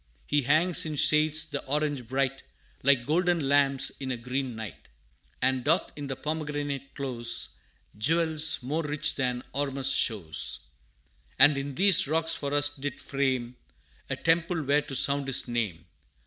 He hangs in shades the orange bright, Like golden lamps, in a green night, And doth in the pomegranate close Jewels more rich than Ormus shows. ......... And in these rocks for us did frame A temple where to sound His name.